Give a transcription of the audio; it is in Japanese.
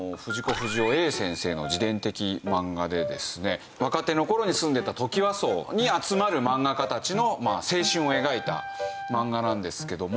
不二雄先生の自伝的漫画でですね若手の頃に住んでたトキワ荘に集まる漫画家たちの青春を描いた漫画なんですけども。